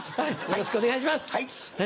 よろしくお願いします。